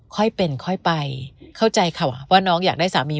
ค่อยเป็นค่อยไปเข้าใจค่ะว่าน้องอยากได้สามี